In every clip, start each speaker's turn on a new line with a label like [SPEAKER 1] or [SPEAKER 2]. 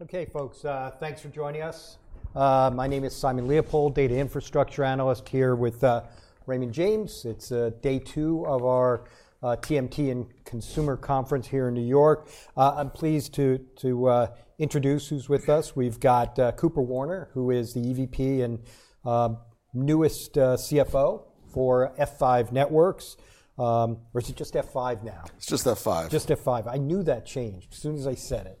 [SPEAKER 1] Okay, folks, thanks for joining us. My name is Simon Leopold, Data Infrastructure Analyst here with Raymond James. It's day two of our TMT and Consumer Conference here in New York. I'm pleased to introduce who's with us. We've got Cooper Weinberg, who is the EVP and newest CFO for F5 Networks. Or is it just F5 now?
[SPEAKER 2] It's just F5.
[SPEAKER 1] Just F5. I knew that changed as soon as I said it,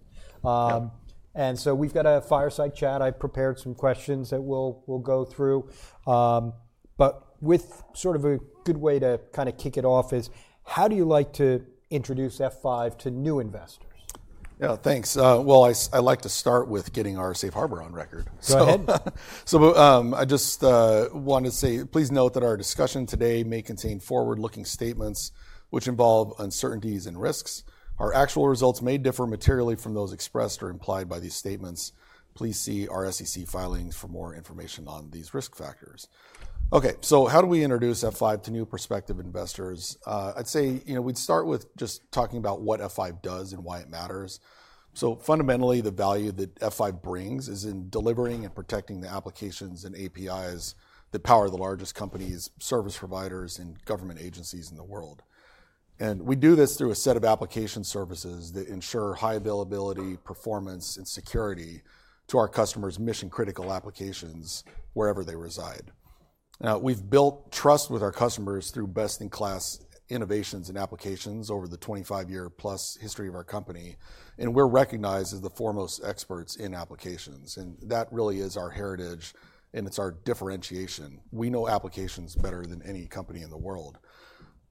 [SPEAKER 1] and so we've got a fireside chat. I've prepared some questions that we'll go through, but with sort of a good way to kind of kick it off is, how do you like to introduce F5 to new investors?
[SPEAKER 2] Yeah, thanks. Well, I like to start with getting our Safe Harbor on record.
[SPEAKER 1] Go ahead.
[SPEAKER 2] So I just wanted to say, please note that our discussion today may contain forward-looking statements which involve uncertainties and risks. Our actual results may differ materially from those expressed or implied by these statements. Please see our SEC filings for more information on these risk factors. Okay, so how do we introduce F5 to new prospective investors? I'd say we'd start with just talking about what F5 does and why it matters. So fundamentally, the value that F5 brings is in delivering and protecting the applications and APIs that power the largest companies, service providers, and government agencies in the world. And we do this through a set of application services that ensure high availability, performance, and security to our customers' mission-critical applications wherever they reside. Now, we've built trust with our customers through best-in-class innovations and applications over the 25-year-plus history of our company. And we're recognized as the foremost experts in applications. And that really is our heritage. And it's our differentiation. We know applications better than any company in the world.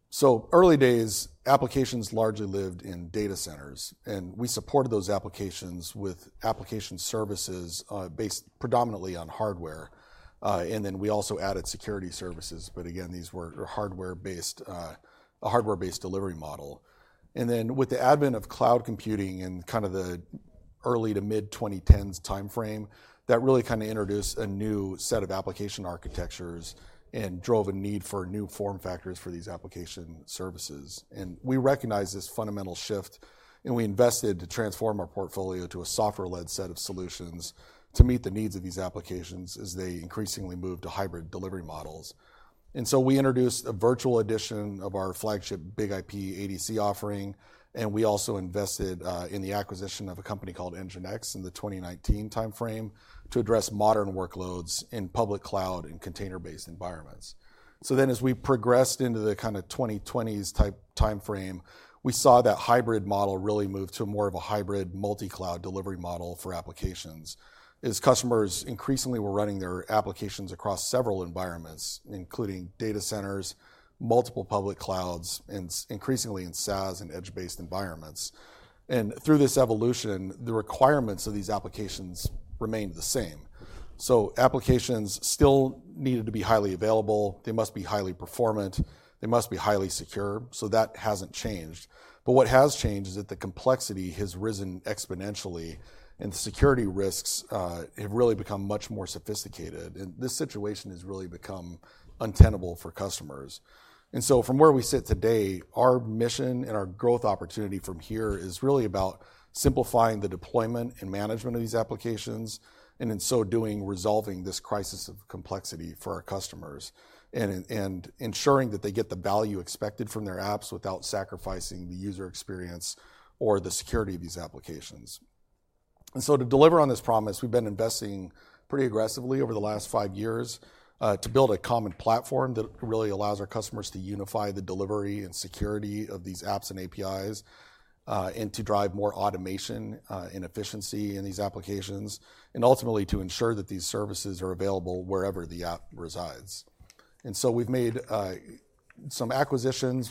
[SPEAKER 2] So early days, applications largely lived in data centers. And we supported those applications with application services based predominantly on hardware. And then we also added security services. But again, these were a hardware-based delivery model. And then with the advent of cloud computing and kind of the early to mid-2010s timeframe, that really kind of introduced a new set of application architectures and drove a need for new form factors for these application services. And we recognized this fundamental shift. And we invested to transform our portfolio to a software-led set of solutions to meet the needs of these applications as they increasingly moved to hybrid delivery models. And so we introduced a Virtual Edition of our flagship BIG-IP ADC offering. And we also invested in the acquisition of a company called NGINX in the 2019 timeframe to address modern workloads in public cloud and container-based environments. So then as we progressed into the kind of 2020s-type timeframe, we saw that hybrid model really move to more of a hybrid multi-cloud delivery model for applications as customers increasingly were running their applications across several environments, including data centers, multiple public clouds, and increasingly in SaaS and edge-based environments. And through this evolution, the requirements of these applications remained the same. So applications still needed to be highly available. They must be highly performant. They must be highly secure. So that hasn't changed. But what has changed is that the complexity has risen exponentially. And the security risks have really become much more sophisticated. And this situation has really become untenable for customers. And so from where we sit today, our mission and our growth opportunity from here is really about simplifying the deployment and management of these applications and in so doing resolving this crisis of complexity for our customers and ensuring that they get the value expected from their apps without sacrificing the user experience or the security of these applications. And so to deliver on this promise, we've been investing pretty aggressively over the last five years to build a common platform that really allows our customers to unify the delivery and security of these apps and APIs and to drive more automation and efficiency in these applications and ultimately to ensure that these services are available wherever the app resides. And so we've made some acquisitions.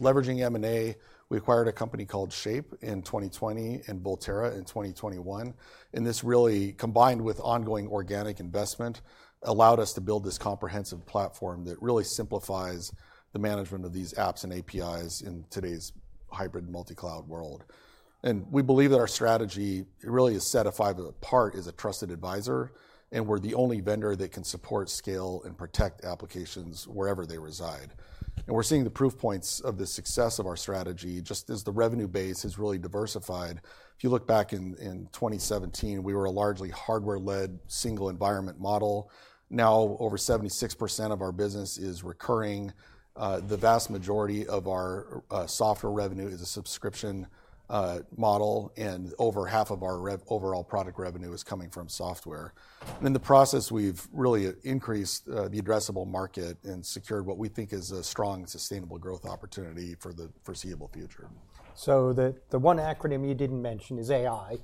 [SPEAKER 2] Leveraging M&A, we acquired a company called Shape in 2020 and Volterra in 2021. And this really, combined with ongoing organic investment, allowed us to build this comprehensive platform that really simplifies the management of these apps and APIs in today's hybrid multi-cloud world. And we believe that our strategy really is set of five parts as a trusted advisor. And we're the only vendor that can support, scale, and protect applications wherever they reside. And we're seeing the proof points of the success of our strategy just as the revenue base has really diversified. If you look back in 2017, we were a largely hardware-led single environment model. Now, over 76% of our business is recurring. The vast majority of our software revenue is a subscription model. And over half of our overall product revenue is coming from software. In the process, we've really increased the addressable market and secured what we think is a strong sustainable growth opportunity for the foreseeable future.
[SPEAKER 1] So the one acronym you didn't mention is AI.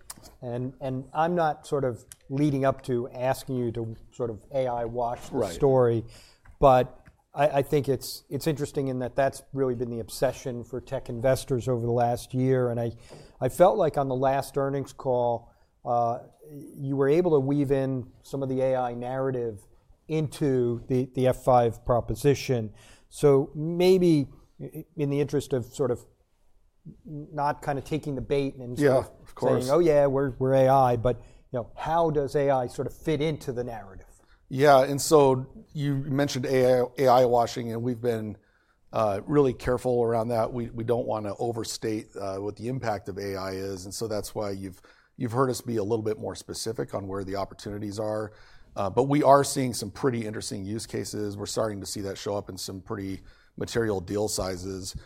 [SPEAKER 1] And I'm not sort of leading up to asking you to sort of AI wash the story. But I think it's interesting in that that's really been the obsession for tech investors over the last year. And I felt like on the last earnings call, you were able to weave in some of the AI narrative into the F5 proposition. So maybe in the interest of sort of not kind of taking the bait and saying, "Oh yeah, we're AI," but how does AI sort of fit into the narrative?
[SPEAKER 2] Yeah. And so you mentioned AI washing. And we've been really careful around that. We don't want to overstate what the impact of AI is. And so that's why you've heard us be a little bit more specific on where the opportunities are. But we are seeing some pretty interesting use cases. We're starting to see that show up in some pretty material deal sizes.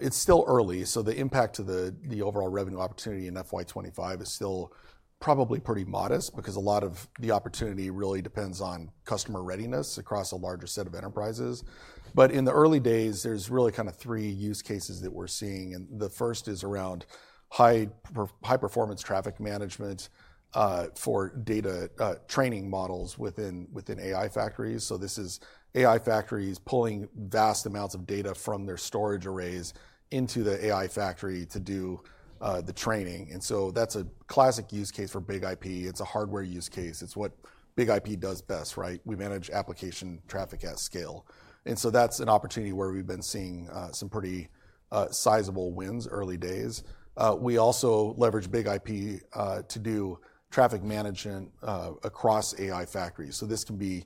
[SPEAKER 2] It's still early. So the impact to the overall revenue opportunity in FY25 is still probably pretty modest because a lot of the opportunity really depends on customer readiness across a larger set of enterprises. But in the early days, there's really kind of three use cases that we're seeing. And the first is around high performance traffic management for data training models within AI factories. This is AI factories pulling vast amounts of data from their storage arrays into the AI factory to do the training. That's a classic use case for BIG-IP. It's a hardware use case. It's what BIG-IP does best, right? We manage application traffic at scale. That's an opportunity where we've been seeing some pretty sizable wins early days. We also leverage BIG-IP to do traffic management across AI factories. This can be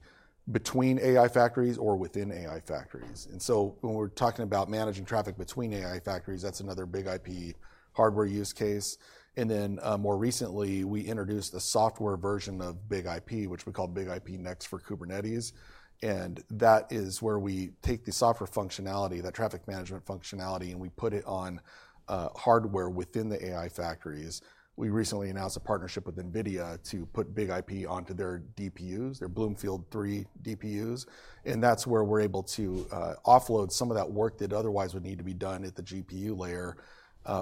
[SPEAKER 2] between AI factories or within AI factories. When we're talking about managing traffic between AI factories, that's another BIG-IP hardware use case. Then more recently, we introduced a software version of BIG-IP, which we call BIG-IP Next for Kubernetes. That is where we take the software functionality, that traffic management functionality, and we put it on hardware within the AI factories. We recently announced a partnership with NVIDIA to put BIG-IP onto their DPUs, their BlueField-3 DPUs. And that's where we're able to offload some of that work that otherwise would need to be done at the GPU layer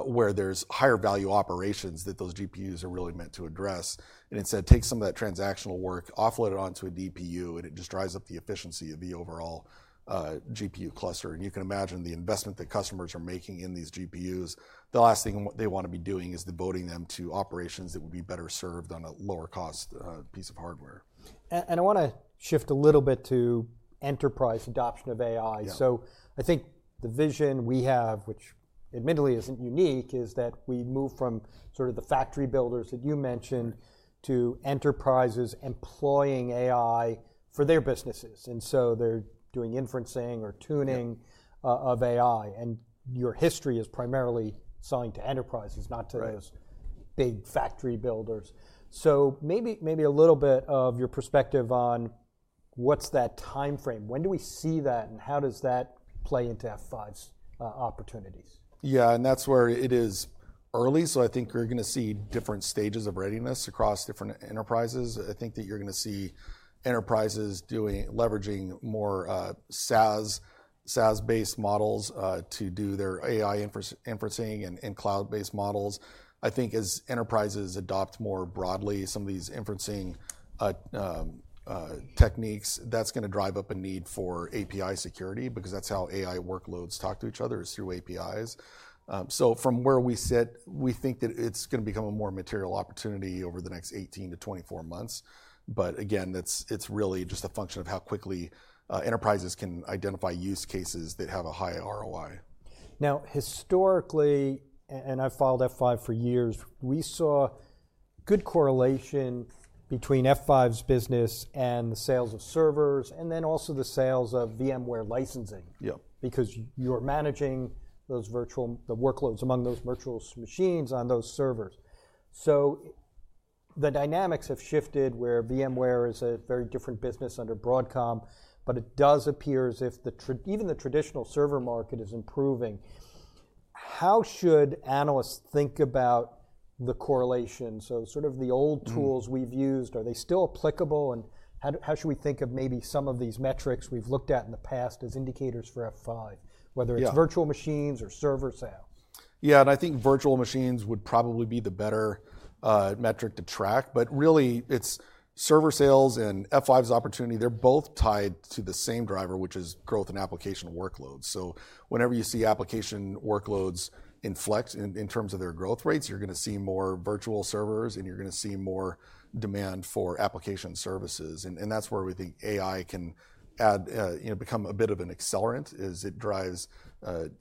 [SPEAKER 2] where there's higher value operations that those GPUs are really meant to address. And instead, take some of that transactional work, offload it onto a DPU, and it just drives up the efficiency of the overall GPU cluster. And you can imagine the investment that customers are making in these GPUs. The last thing they want to be doing is devoting them to operations that would be better served on a lower cost piece of hardware.
[SPEAKER 1] I want to shift a little bit to enterprise adoption of AI. So I think the vision we have, which admittedly isn't unique, is that we move from sort of the factory builders that you mentioned to enterprises employing AI for their businesses. And so they're doing inferencing or tuning of AI. And your history is primarily selling to enterprises, not to those big factory builders. So maybe a little bit of your perspective on what's that timeframe. When do we see that? And how does that play into F5's opportunities?
[SPEAKER 2] Yeah. And that's where it is early. So I think you're going to see different stages of readiness across different enterprises. I think that you're going to see enterprises leveraging more SaaS-based models to do their AI inferencing and cloud-based models. I think as enterprises adopt more broadly some of these inferencing techniques, that's going to drive up a need for API security because that's how AI workloads talk to each other is through APIs. So from where we sit, we think that it's going to become a more material opportunity over the next 18-24 months. But again, it's really just a function of how quickly enterprises can identify use cases that have a high ROI.
[SPEAKER 1] Now, historically, and I've followed F5 for years, we saw good correlation between F5's business and the sales of servers and then also the sales of VMware licensing because you're managing the workloads among those virtual machines on those servers. So the dynamics have shifted where VMware is a very different business under Broadcom. But it does appear as if even the traditional server market is improving. How should analysts think about the correlation? So sort of the old tools we've used, are they still applicable? And how should we think of maybe some of these metrics we've looked at in the past as indicators for F5, whether it's virtual machines or server sales?
[SPEAKER 2] Yeah. And I think virtual machines would probably be the better metric to track. But really, it's server sales and F5's opportunity. They're both tied to the same driver, which is growth and application workloads. So whenever you see application workloads inflect in terms of their growth rates, you're going to see more virtual servers. And you're going to see more demand for application services. And that's where we think AI can become a bit of an accelerant as it drives an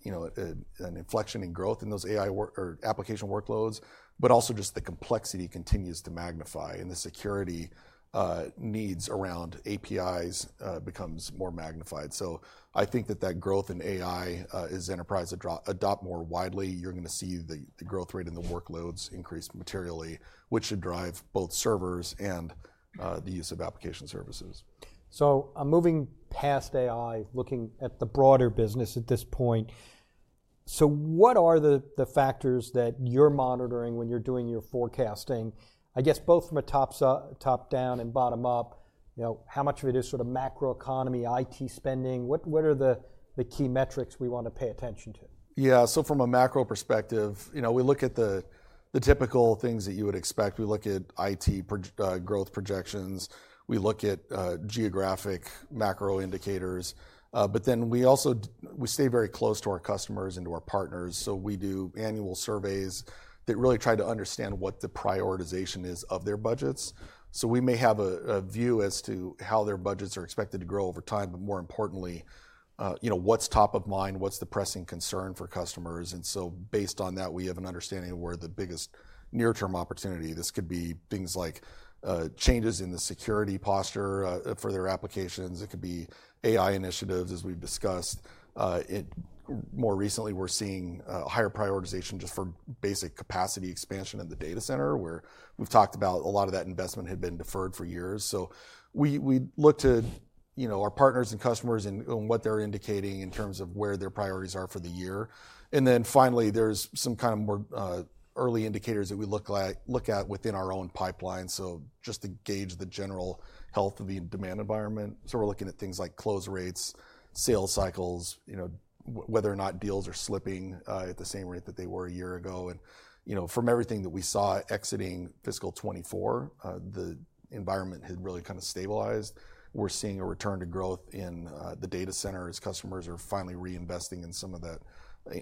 [SPEAKER 2] inflection in growth in those AI or application workloads. But also just the complexity continues to magnify. And the security needs around APIs becomes more magnified. So I think that growth in AI as enterprises adopt more widely, you're going to see the growth rate in the workloads increase materially, which should drive both servers and the use of application services.
[SPEAKER 1] So, moving past AI, looking at the broader business at this point, so what are the factors that you're monitoring when you're doing your forecasting? I guess both from a top-down and bottom-up, how much of it is sort of macroeconomy, IT spending? What are the key metrics we want to pay attention to?
[SPEAKER 2] Yeah. So from a macro perspective, we look at the typical things that you would expect. We look at IT growth projections. We look at geographic macro indicators. But then we also stay very close to our customers and to our partners. So we do annual surveys that really try to understand what the prioritization is of their budgets. So we may have a view as to how their budgets are expected to grow over time. But more importantly, what's top of mind? What's the pressing concern for customers? And so based on that, we have an understanding of where the biggest near-term opportunity is. This could be things like changes in the security posture for their applications. It could be AI initiatives, as we've discussed. More recently, we're seeing higher prioritization just for basic capacity expansion in the data center, where we've talked about a lot of that investment had been deferred for years. So we look to our partners and customers and what they're indicating in terms of where their priorities are for the year. And then finally, there's some kind of more early indicators that we look at within our own pipeline. So just to gauge the general health of the demand environment. So we're looking at things like close rates, sales cycles, whether or not deals are slipping at the same rate that they were a year ago. And from everything that we saw exiting fiscal 2024, the environment had really kind of stabilized. We're seeing a return to growth in the data center as customers are finally reinvesting in some of that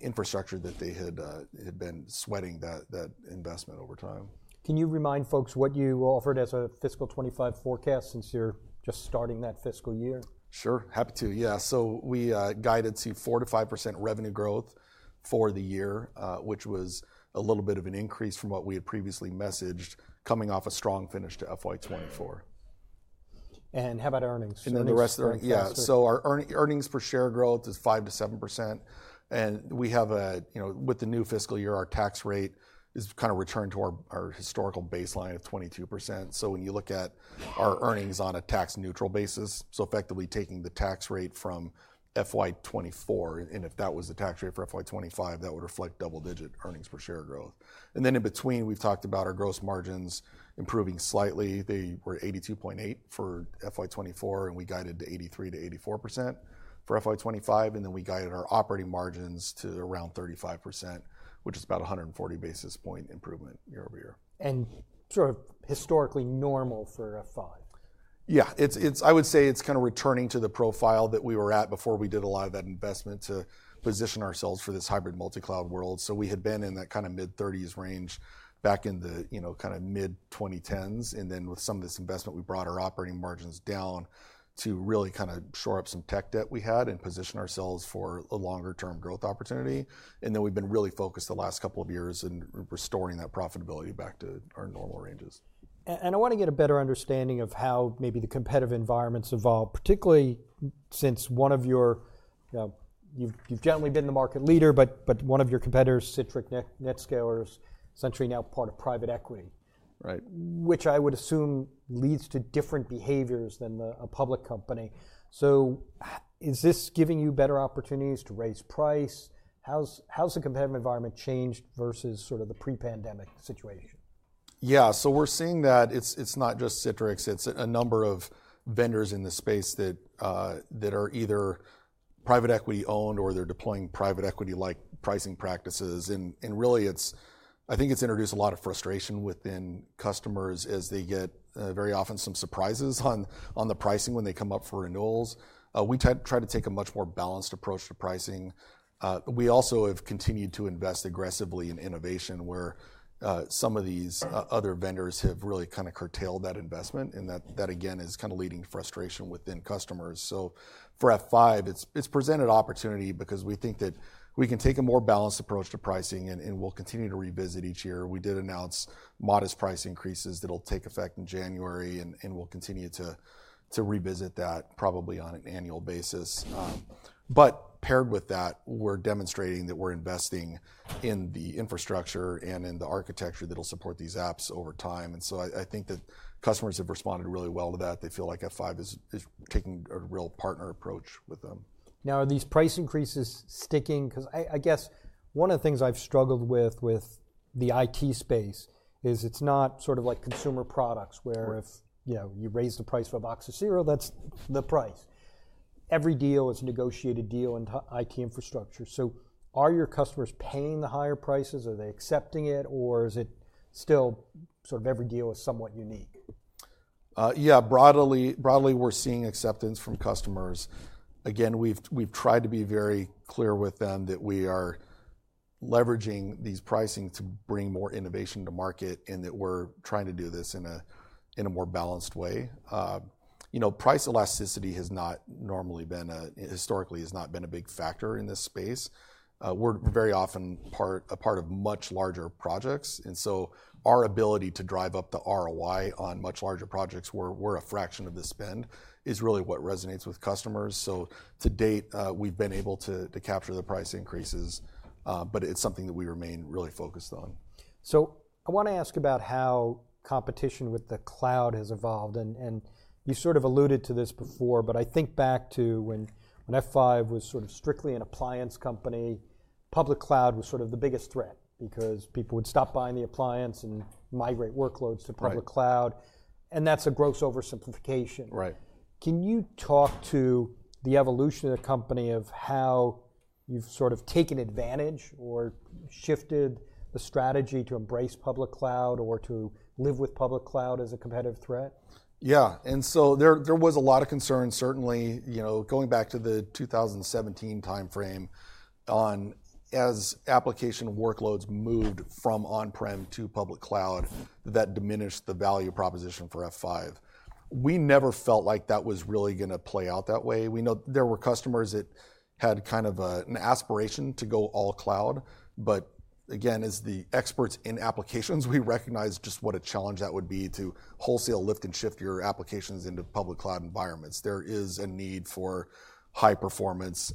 [SPEAKER 2] infrastructure that they had been sweating that investment over time.
[SPEAKER 1] Can you remind folks what you offered as a fiscal 2025 forecast since you're just starting that fiscal year?
[SPEAKER 2] Sure. Happy to. Yeah. So we guided to 4%-5% revenue growth for the year, which was a little bit of an increase from what we had previously messaged coming off a strong finish to FY24.
[SPEAKER 1] How about earnings?
[SPEAKER 2] Then the rest of the earnings. Yeah. So our earnings per share growth is 5%-7%. We have, with the new fiscal year, our tax rate has kind of returned to our historical baseline of 22%. When you look at our earnings on a tax-neutral basis, effectively taking the tax rate from FY24, and if that was the tax rate for FY25, that would reflect double-digit earnings per share growth. Then in between, we've talked about our gross margins improving slightly. They were 82.8% for FY24. We guided to 83%-84% for FY25. Then we guided our operating margins to around 35%, which is about a 140 basis points improvement year over year.
[SPEAKER 1] Sort of historically normal for F5.
[SPEAKER 2] Yeah. I would say it's kind of returning to the profile that we were at before we did a lot of that investment to position ourselves for this hybrid multi-cloud world. So we had been in that kind of mid-30s range back in the kind of mid-2010s. And then with some of this investment, we brought our operating margins down to really kind of shore up some tech debt we had and position ourselves for a longer-term growth opportunity. And then we've been really focused the last couple of years in restoring that profitability back to our normal ranges.
[SPEAKER 1] I want to get a better understanding of how maybe the competitive environments evolve, particularly since one of your, you've generally been the market leader, but one of your competitors, Citrix NetScaler, Citrix now part of private equity, which I would assume leads to different behaviors than a public company. So is this giving you better opportunities to raise price? How's the competitive environment changed versus sort of the pre-pandemic situation?
[SPEAKER 2] Yeah. So we're seeing that it's not just Citrix. It's a number of vendors in the space that are either private equity-owned or they're deploying private equity-like pricing practices. And really, I think it's introduced a lot of frustration within customers as they get very often some surprises on the pricing when they come up for renewals. We try to take a much more balanced approach to pricing. We also have continued to invest aggressively in innovation, where some of these other vendors have really kind of curtailed that investment. And that, again, is kind of leading to frustration within customers. So for F5, it's presented opportunity because we think that we can take a more balanced approach to pricing. And we'll continue to revisit each year. We did announce modest price increases that'll take effect in January. And we'll continue to revisit that probably on an annual basis. But paired with that, we're demonstrating that we're investing in the infrastructure and in the architecture that'll support these apps over time. And so I think that customers have responded really well to that. They feel like F5 is taking a real partner approach with them.
[SPEAKER 1] Now, are these price increases sticking? Because I guess one of the things I've struggled with with the IT space is it's not sort of like consumer products where if you raise the price for a box of cereal, that's the price. Every deal is a negotiated deal in IT infrastructure. So are your customers paying the higher prices? Are they accepting it? Or is it still sort of every deal is somewhat unique?
[SPEAKER 2] Yeah. Broadly, we're seeing acceptance from customers. Again, we've tried to be very clear with them that we are leveraging these pricing to bring more innovation to market and that we're trying to do this in a more balanced way. Price elasticity has not normally been, historically has not been a big factor in this space. We're very often a part of much larger projects. And so our ability to drive up the ROI on much larger projects where we're a fraction of the spend is really what resonates with customers. So to date, we've been able to capture the price increases. But it's something that we remain really focused on.
[SPEAKER 1] I want to ask about how competition with the cloud has evolved. You sort of alluded to this before. I think back to when F5 was sort of strictly an appliance company, public cloud was sort of the biggest threat because people would stop buying the appliance and migrate workloads to public cloud. That's a gross oversimplification. Can you talk to the evolution of the company of how you've sort of taken advantage or shifted the strategy to embrace public cloud or to live with public cloud as a competitive threat?
[SPEAKER 2] Yeah. And so there was a lot of concern, certainly going back to the 2017 timeframe on as application workloads moved from on-prem to public cloud that diminished the value proposition for F5. We never felt like that was really going to play out that way. We know there were customers that had kind of an aspiration to go all cloud. But again, as the experts in applications, we recognize just what a challenge that would be to wholesale lift and shift your applications into public cloud environments. There is a need for high performance.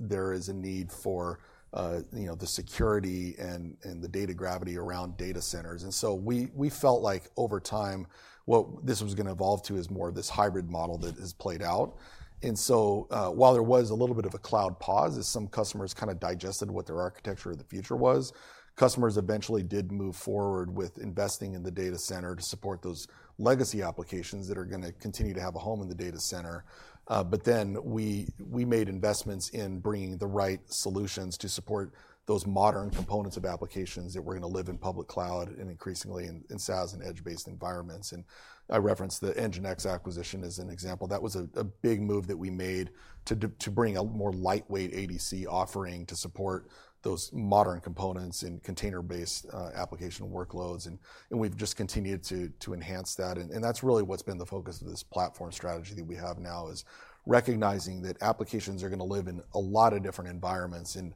[SPEAKER 2] There is a need for the security and the data gravity around data centers. And so we felt like over time, what this was going to evolve to is more of this hybrid model that has played out. And so while there was a little bit of a cloud pause as some customers kind of digested what their architecture of the future was, customers eventually did move forward with investing in the data center to support those legacy applications that are going to continue to have a home in the data center. But then we made investments in bringing the right solutions to support those modern components of applications that were going to live in public cloud and increasingly in SaaS and edge-based environments. And I referenced the NGINX acquisition as an example. That was a big move that we made to bring a more lightweight ADC offering to support those modern components and container-based application workloads. And we've just continued to enhance that. And that's really what's been the focus of this platform strategy that we have now is recognizing that applications are going to live in a lot of different environments. And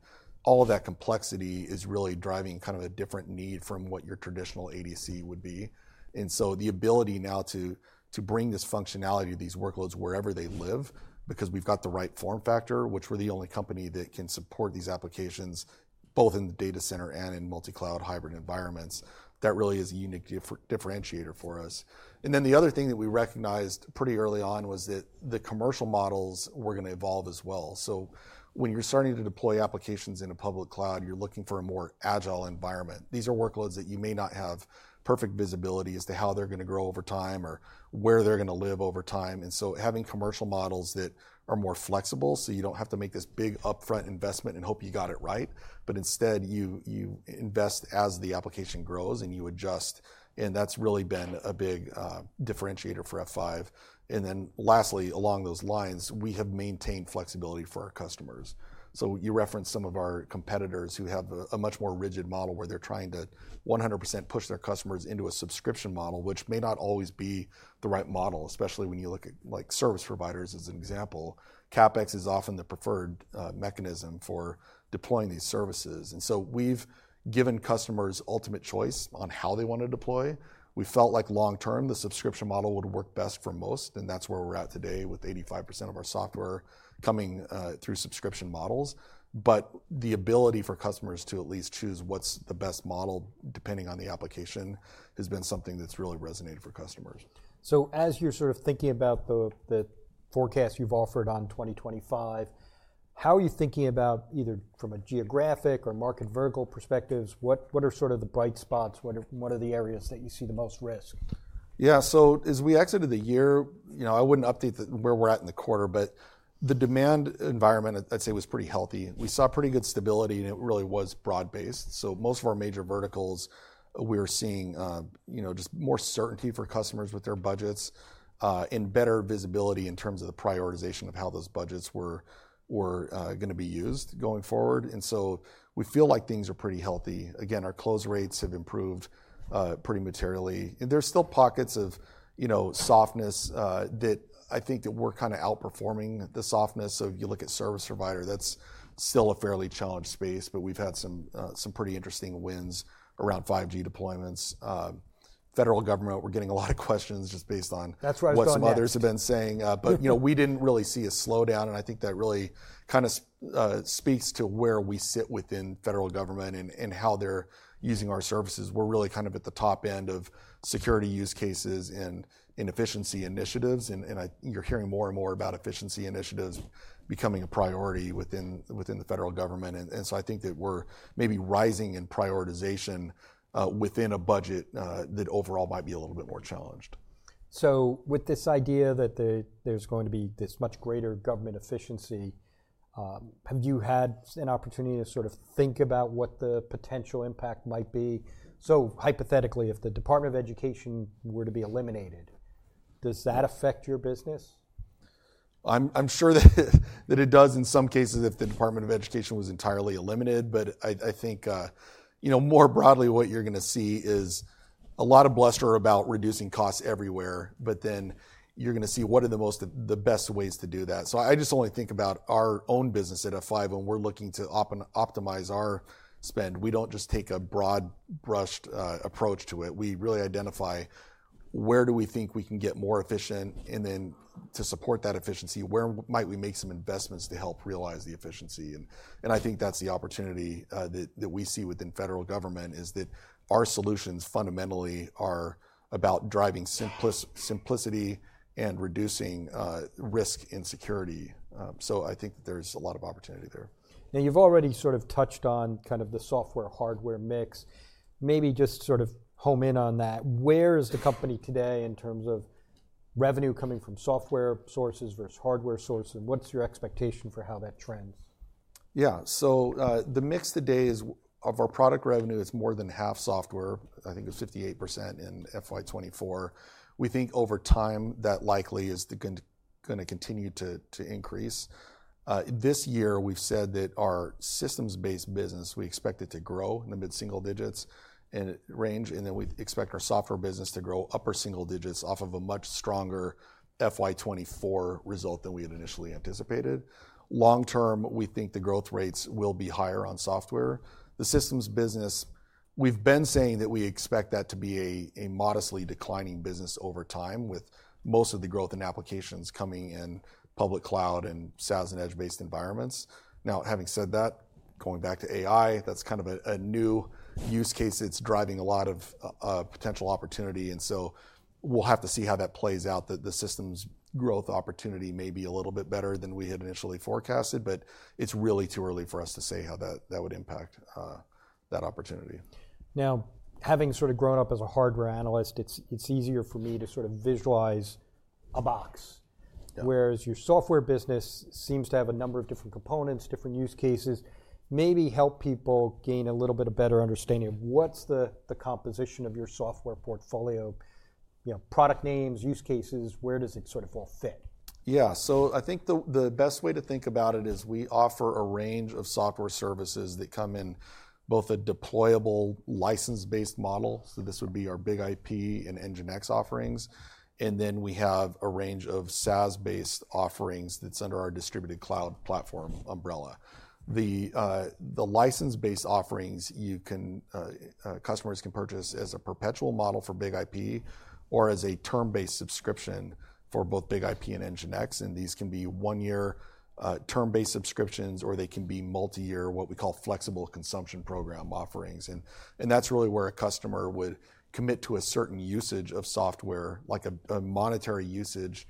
[SPEAKER 2] all of that complexity is really driving kind of a different need from what your traditional ADC would be. And so the ability now to bring this functionality of these workloads wherever they live because we've got the right form factor, which we're the only company that can support these applications both in the data center and in multi-cloud hybrid environments, that really is a unique differentiator for us. And then the other thing that we recognized pretty early on was that the commercial models were going to evolve as well. So when you're starting to deploy applications in a public cloud, you're looking for a more agile environment. These are workloads that you may not have perfect visibility as to how they're going to grow over time or where they're going to live over time, and so having commercial models that are more flexible so you don't have to make this big upfront investment and hope you got it right, but instead, you invest as the application grows and you adjust, and that's really been a big differentiator for F5, and then lastly, along those lines, we have maintained flexibility for our customers, so you referenced some of our competitors who have a much more rigid model where they're trying to 100% push their customers into a subscription model, which may not always be the right model, especially when you look at service providers as an example. CapEx is often the preferred mechanism for deploying these services. And so we've given customers ultimate choice on how they want to deploy. We felt like long term, the subscription model would work best for most. And that's where we're at today with 85% of our software coming through subscription models. But the ability for customers to at least choose what's the best model depending on the application has been something that's really resonated for customers.
[SPEAKER 1] So as you're sort of thinking about the forecast you've offered on 2025, how are you thinking about either from a geographic or market vertical perspectives? What are sort of the bright spots? What are the areas that you see the most risk?
[SPEAKER 2] Yeah. So as we exited the year, I wouldn't update where we're at in the quarter. But the demand environment, I'd say, was pretty healthy. We saw pretty good stability. And it really was broad-based. So most of our major verticals, we were seeing just more certainty for customers with their budgets and better visibility in terms of the prioritization of how those budgets were going to be used going forward. And so we feel like things are pretty healthy. Again, our close rates have improved pretty materially. And there's still pockets of softness that I think that we're kind of outperforming the softness. So if you look at service provider, that's still a fairly challenged space. But we've had some pretty interesting wins around 5G deployments. Federal government, we're getting a lot of questions just based on what some others have been saying. But we didn't really see a slowdown. And I think that really kind of speaks to where we sit within federal government and how they're using our services. We're really kind of at the top end of security use cases and efficiency initiatives. And you're hearing more and more about efficiency initiatives becoming a priority within the federal government. And so I think that we're maybe rising in prioritization within a budget that overall might be a little bit more challenged.
[SPEAKER 1] So with this idea that there's going to be this much greater government efficiency, have you had an opportunity to sort of think about what the potential impact might be? So hypothetically, if the Department of Education were to be eliminated, does that affect your business?
[SPEAKER 2] I'm sure that it does in some cases if the U.S. Department of Education was entirely eliminated. But I think more broadly, what you're going to see is a lot of bluster about reducing costs everywhere. But then you're going to see what are the best ways to do that. So I just only think about our own business at F5 when we're looking to optimize our spend. We don't just take a broad-brushed approach to it. We really identify where do we think we can get more efficient. And then to support that efficiency, where might we make some investments to help realize the efficiency? And I think that's the opportunity that we see within the federal government: that our solutions fundamentally are about driving simplicity and reducing risk in security. So I think that there's a lot of opportunity there.
[SPEAKER 1] Now, you've already sort of touched on kind of the software-hardware mix. Maybe just sort of home in on that. Where is the company today in terms of revenue coming from software sources versus hardware sources? And what's your expectation for how that trends?
[SPEAKER 2] Yeah. So the mix today of our product revenue is more than half software. I think it's 58% in FY24. We think over time that likely is going to continue to increase. This year, we've said that our systems-based business, we expect it to grow in the mid-single digits range. And then we expect our software business to grow upper single digits off of a much stronger FY24 result than we had initially anticipated. Long term, we think the growth rates will be higher on software. The systems business, we've been saying that we expect that to be a modestly declining business over time with most of the growth in applications coming in public cloud and SaaS and edge-based environments. Now, having said that, going back to AI, that's kind of a new use case. It's driving a lot of potential opportunity. And so we'll have to see how that plays out. The systems growth opportunity may be a little bit better than we had initially forecasted. But it's really too early for us to say how that would impact that opportunity.
[SPEAKER 1] Now, having sort of grown up as a hardware analyst, it's easier for me to sort of visualize a box. Whereas your software business seems to have a number of different components, different use cases. Maybe help people gain a little bit of better understanding of what's the composition of your software portfolio, product names, use cases. Where does it sort of all fit?
[SPEAKER 2] Yeah. So I think the best way to think about it is we offer a range of software services that come in both a deployable license-based model. So this would be our BIG-IP and NGINX offerings. And then we have a range of SaaS-based offerings that's under our Distributed Cloud platform umbrella. The license-based offerings, customers can purchase as a perpetual model for BIG-IP or as a term-based subscription for both BIG-IP and NGINX. And these can be one-year term-based subscriptions. Or they can be multi-year, what we call Flexible Consumption Program offerings. And that's really where a customer would commit to a certain usage of software, like a monetary usage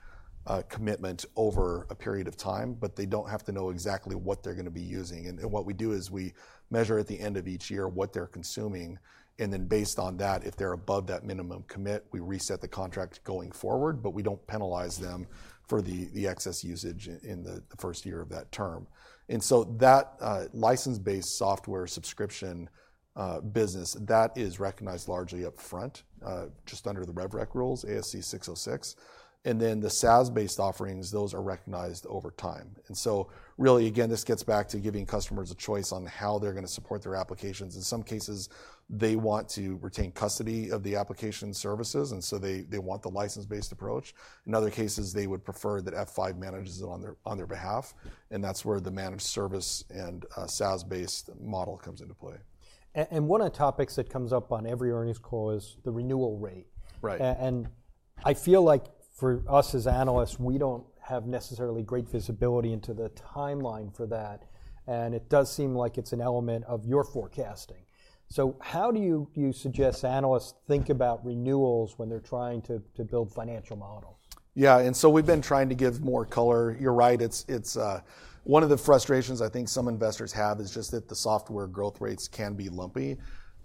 [SPEAKER 2] commitment over a period of time. But they don't have to know exactly what they're going to be using. And what we do is we measure at the end of each year what they're consuming. And then based on that, if they're above that minimum commit, we reset the contract going forward. But we don't penalize them for the excess usage in the first year of that term. And so that license-based software subscription business, that is recognized largely upfront just under the RevRec rules, ASC 606. And then the SaaS-based offerings, those are recognized over time. And so really, again, this gets back to giving customers a choice on how they're going to support their applications. In some cases, they want to retain custody of the application services. And so they want the license-based approach. In other cases, they would prefer that F5 manages it on their behalf. And that's where the managed service and SaaS-based model comes into play.
[SPEAKER 1] One of the topics that comes up on every earnings call is the renewal rate. I feel like for us as analysts, we don't have necessarily great visibility into the timeline for that. It does seem like it's an element of your forecasting. How do you suggest analysts think about renewals when they're trying to build financial models?
[SPEAKER 2] Yeah. And so we've been trying to give more color. You're right. One of the frustrations I think some investors have is just that the software growth rates can be lumpy.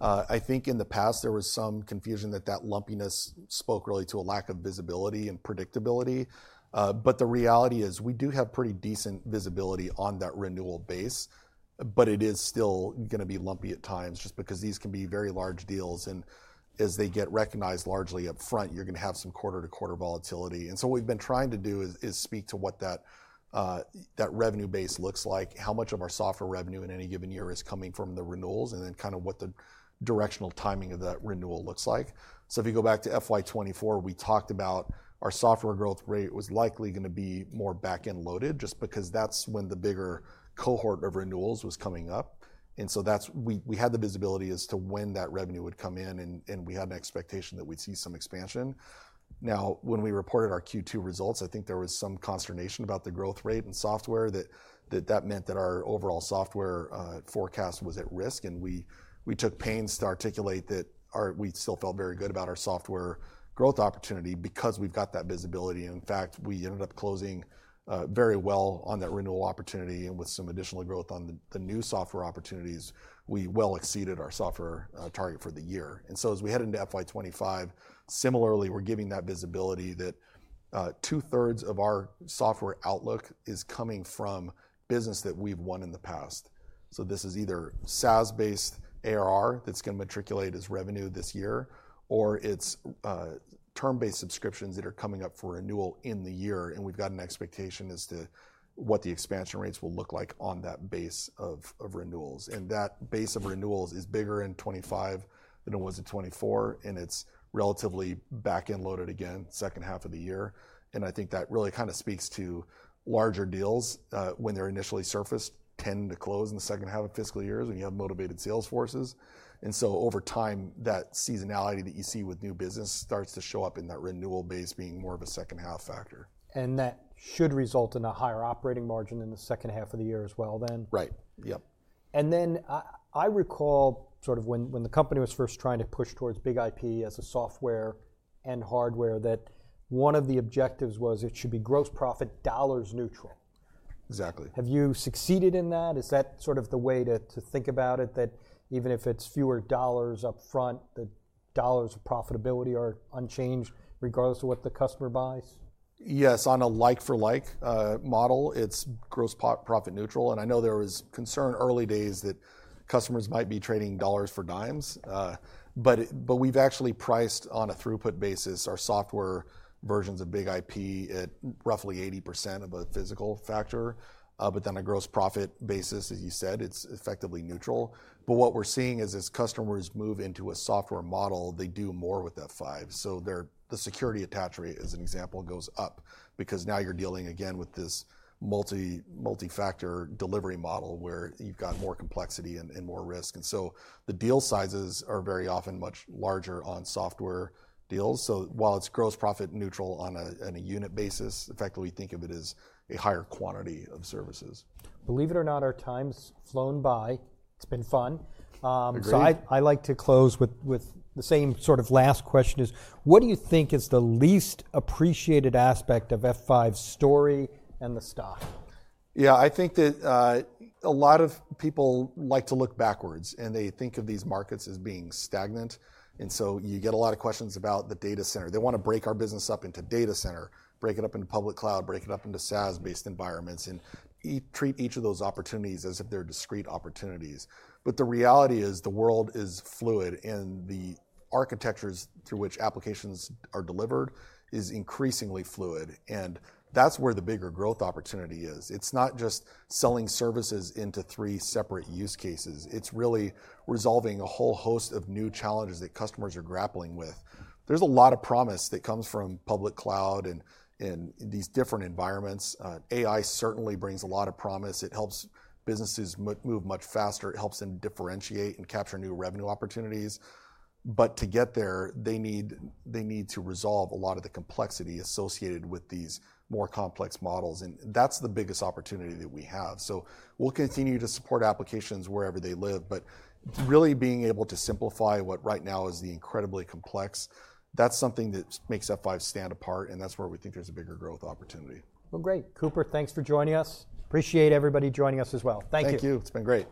[SPEAKER 2] I think in the past, there was some confusion that that lumpiness spoke really to a lack of visibility and predictability. But the reality is we do have pretty decent visibility on that renewal base. But it is still going to be lumpy at times just because these can be very large deals. And as they get recognized largely upfront, you're going to have some quarter-to-quarter volatility. And so what we've been trying to do is speak to what that revenue base looks like, how much of our software revenue in any given year is coming from the renewals, and then kind of what the directional timing of that renewal looks like. So if you go back to FY24, we talked about our software growth rate was likely going to be more back-end loaded just because that's when the bigger cohort of renewals was coming up. And so we had the visibility as to when that revenue would come in. And we had an expectation that we'd see some expansion. Now, when we reported our Q2 results, I think there was some consternation about the growth rate in software that meant that our overall software forecast was at risk. And we took pains to articulate that we still felt very good about our software growth opportunity because we've got that visibility. In fact, we ended up closing very well on that renewal opportunity. And with some additional growth on the new software opportunities, we well exceeded our software target for the year. And so as we head into FY25, similarly, we're giving that visibility that two-thirds of our software outlook is coming from business that we've won in the past. So this is either SaaS-based ARR that's going to materialize as revenue this year, or it's term-based subscriptions that are coming up for renewal in the year. And we've got an expectation as to what the expansion rates will look like on that base of renewals. And that base of renewals is bigger in 2025 than it was in 2024. And it's relatively back-end loaded again second half of the year. And I think that really kind of speaks to larger deals when they're initially surfaced tend to close in the second half of fiscal years when you have motivated sales forces. Over time, that seasonality that you see with new business starts to show up in that renewal base being more of a second half factor.
[SPEAKER 1] That should result in a higher operating margin in the second half of the year as well then.
[SPEAKER 2] Right. Yep.
[SPEAKER 1] And then I recall sort of when the company was first trying to push toward BIG-IP as a software and hardware that one of the objectives was it should be gross profit dollars neutral.
[SPEAKER 2] Exactly.
[SPEAKER 1] Have you succeeded in that? Is that sort of the way to think about it that even if it's fewer dollars upfront, the dollars of profitability are unchanged regardless of what the customer buys?
[SPEAKER 2] Yes. On a like-for-like model, it's gross profit neutral. And I know there was concern early days that customers might be trading dollars for dimes. But we've actually priced on a throughput basis our software versions of BIG-IP at roughly 80% of a physical appliance. But then on a gross profit basis, as you said, it's effectively neutral. But what we're seeing is as customers move into a software model, they do more with F5. So the security attach rate as an example goes up because now you're dealing again with this multi-factor delivery model where you've got more complexity and more risk. And so the deal sizes are very often much larger on software deals. So while it's gross profit neutral on a unit basis, effectively we think of it as a higher quantity of services.
[SPEAKER 1] Believe it or not, our time's flown by. It's been fun.
[SPEAKER 2] Agreed.
[SPEAKER 1] So I like to close with the same sort of last question is what do you think is the least appreciated aspect of F5's story and the stock?
[SPEAKER 2] Yeah. I think that a lot of people like to look backwards, and they think of these markets as being stagnant. And so you get a lot of questions about the data center. They want to break our business up into data center, break it up into public cloud, break it up into SaaS-based environments, and treat each of those opportunities as if they're discrete opportunities, but the reality is the world is fluid. And the architectures through which applications are delivered is increasingly fluid, and that's where the bigger growth opportunity is. It's not just selling services into three separate use cases. It's really resolving a whole host of new challenges that customers are grappling with. There's a lot of promise that comes from public cloud and these different environments. AI certainly brings a lot of promise. It helps businesses move much faster. It helps them differentiate and capture new revenue opportunities. But to get there, they need to resolve a lot of the complexity associated with these more complex models. And that's the biggest opportunity that we have. So we'll continue to support applications wherever they live. But really being able to simplify what right now is the incredibly complex, that's something that makes F5 stand apart. And that's where we think there's a bigger growth opportunity.
[SPEAKER 1] Great. Cooper, thanks for joining us. Appreciate everybody joining us as well. Thank you.
[SPEAKER 2] Thank you. It's been great.